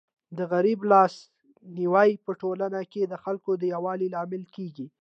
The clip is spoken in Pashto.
د غریب لاس نیوی په ټولنه کي د خلکو د یووالي لامل کيږي.